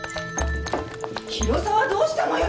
広澤はどうしたのよ！